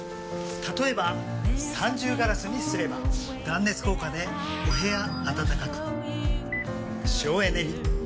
例えば三重ガラスにすれば断熱効果でお部屋暖かく省エネに。